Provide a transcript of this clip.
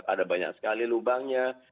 ada banyak sekali lubangnya